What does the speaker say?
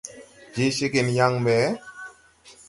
Je ceegen yaŋ ɓe ?